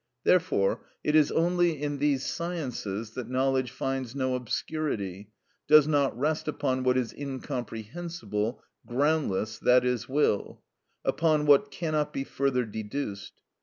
Therefore it is only in these sciences that knowledge finds no obscurity, does not rest upon what is incomprehensible (groundless, i.e., will), upon what cannot be further deduced.